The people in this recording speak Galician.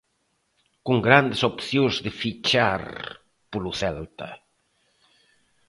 Con grandes opcións de fichar polo Celta.